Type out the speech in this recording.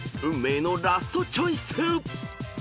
［運命のラストチョイス］